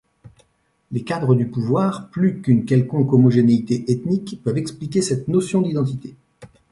Les cadres du pouvoir, plus qu'une quelconque homogénéité ethnique, peuvent expliquer cette notion d'identité.